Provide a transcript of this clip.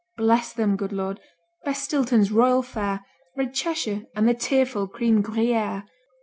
Bless them, good Lord! Bless Stilton's royal fare, Red Cheshire, and the tearful cream Gruyère.